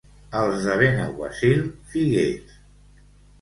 Els de Benaguasil, figuers.